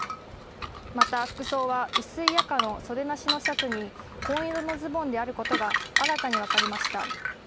また、服装は薄い赤の袖なしのシャツに紺色のズボンであることが新たに分かりました。